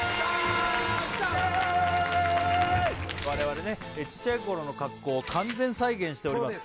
我々ねちっちゃい頃の格好を完全再現しております